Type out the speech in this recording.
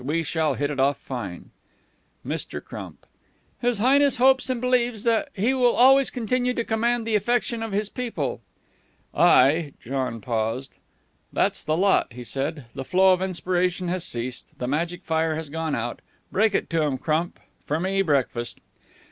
We shall hit it off fine." Mr. Crump: "His Highness hopes and believes that he will always continue to command the affection of his people." "I " John paused. "That's the lot," he said. "The flow of inspiration has ceased. The magic fire has gone out. Break it to 'em, Crump. For me, breakfast."